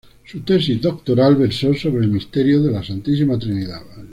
Su tesis doctoral versó sobre el misterio de la Santísima Trinidad.